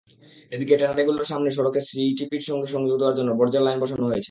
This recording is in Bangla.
এদিকে ট্যানারিগুলোর সামনের সড়কে সিইটিপির সঙ্গে সংযোগ দেওয়ার জন্য বর্জ্যের লাইন বসানো হয়েছে।